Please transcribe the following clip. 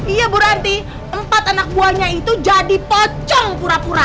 iya bu ranti empat anak buahnya itu jadi pocong pura pura